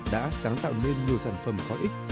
đã sáng tạo nên nhiều sản phẩm có ích